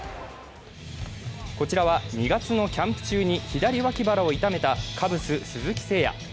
こちらは２月のキャンプ中に左脇腹を痛めたカブス・鈴木誠也。